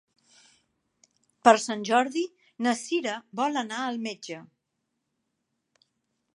Per Sant Jordi na Cira vol anar al metge.